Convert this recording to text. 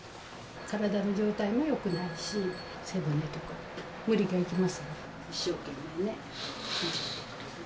体の状態もよくないし、背骨とか、無理がいきますね。